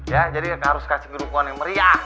ya jadi kakak harus kasih guru ku yang meriah